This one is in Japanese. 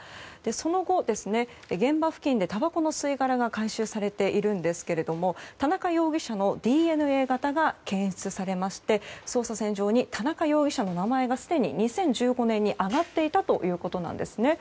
その後、現場付近でたばこの吸い殻が回収されているんですが田中容疑者のＤＮＡ型が検出されまして捜査線上に田中容疑者の名前がすでに、２０１５年に上がっていたということなんですね。